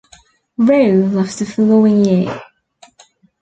Roe left the following year.